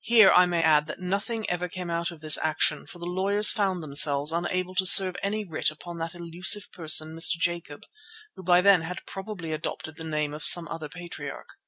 Here I may add that nothing ever came of this action, for the lawyers found themselves unable to serve any writ upon that elusive person, Mr. Jacob, who by then had probably adopted the name of some other patriarch.